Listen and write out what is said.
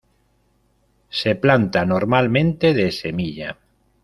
Se planta normalmente de semilla.